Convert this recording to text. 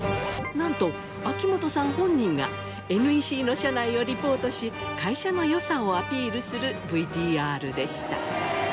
なんと秋元さん本人がＮＥＣの社内をリポートし会社の良さをアピールするＶＴＲでした。